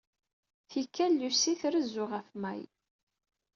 Tikkal, Lucy trezzu ɣef May.